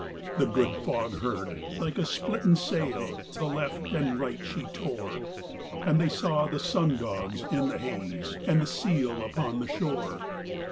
The good fog heard like a splitten sail, to left and right she tore, And they saw the sun dogs in the haze and the seal upon the shore.